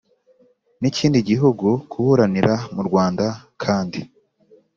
n ikindi gihugu kuburanira mu Rwanda kandi